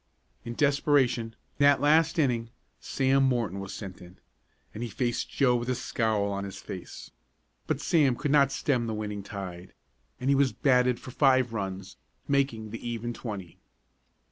In desperation, that last inning, Sam Morton was sent in, and he faced Joe with a scowl on his face. But Sam could not stem the winning tide, and he was batted for five runs, making the even twenty.